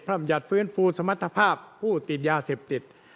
รำยัติฟื้นฟูสมรรถภาพผู้ติดยาเสพติด